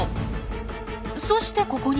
そしてここにも。